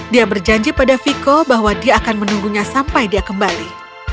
dia berjanji pada veko bahwa dia akan menunggunya sampai dia kembali